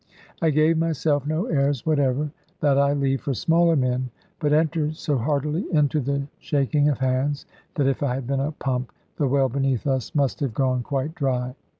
I gave myself no airs whatever that I leave for smaller men but entered so heartily into the shaking of hands, that if I had been a pump, the well beneath us must have gone quite dry.